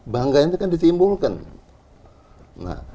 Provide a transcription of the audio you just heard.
bangga itu kan ditimbulkan